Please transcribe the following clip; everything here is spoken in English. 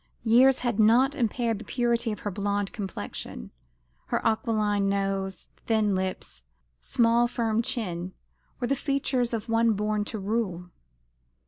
Years had not impaired the purity of her blonde complexion. Her aquiline nose, thin lips, small firm chin, were the features of one born to rule.